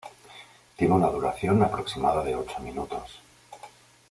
Tiene una duración aproximada de ocho minutos.